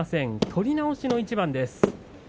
取り直しの一番です。